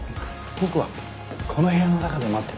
ボクはこの部屋の中で待っててね。